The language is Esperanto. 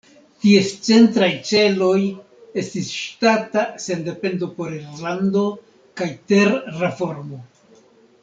Ties centraj celoj estis ŝtata sendependo por Irlando kaj ter-reformo.